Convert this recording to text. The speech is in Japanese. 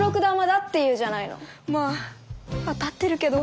まあ当たってるけど。